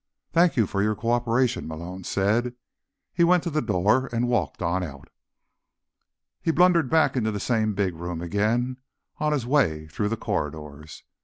"Thanks for your co operation," Malone said. He went to the door, and walked on out. He blundered back into the same big room again, on his way through the corridors.